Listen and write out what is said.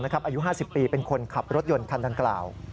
อายุ๕๐ปีเป็นคนขับรถยนต์คันดังกล่าว